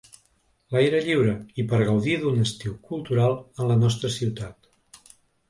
L’aire lliure i per gaudir d’un estiu cultural en la nostra ciutat.